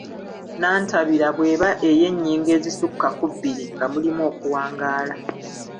Nnantabira bw'eba ey’ennyingo ezisukka ku bbiri nga mulimu okuwangaala.